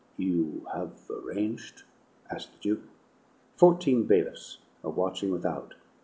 "You have arranged?" asked the Duke. "Fourteen bailiffs are watching without.